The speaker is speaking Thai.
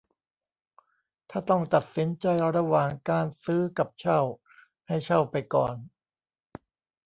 ถ้าต้องตัดสินใจระหว่างการซื้อกับเช่าให้เช่าไปก่อน